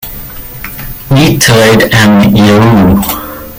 E-Trade and Yahoo!